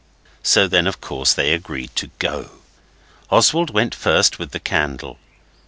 So then, of course, they agreed to go. Oswald went first with the candle.